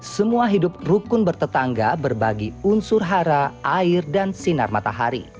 semua hidup rukun bertetangga berbagi unsur hara air dan sinar matahari